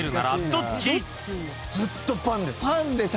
ずっとパンです。